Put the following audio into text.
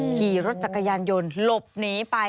ขี่รถจักรยานยนต์หลบหนีไป